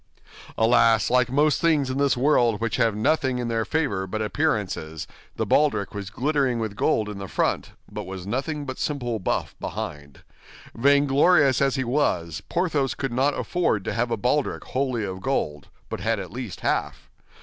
Alas, like most things in this world which have nothing in their favor but appearances, the baldric was glittering with gold in the front, but was nothing but simple buff behind. Vainglorious as he was, Porthos could not afford to have a baldric wholly of gold, but had at least half.